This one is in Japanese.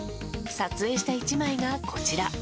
撮影した１枚がこちら。